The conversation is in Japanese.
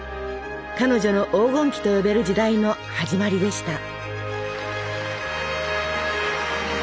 彼女の黄金期と呼べる時代の始まりでした。